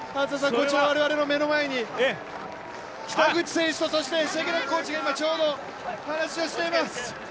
我々の目の前に北口選手とシェケラックコーチが今、ちょうど話をしています。